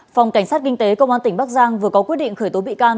phòng cảnh sát kinh tế công an tỉnh bắc giang vừa có quyết định khởi tố bị can